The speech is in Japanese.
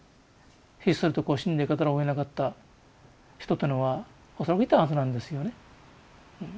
ひっそりと死んでいかざるをえなかった人というのは恐らくいたはずなんですよね。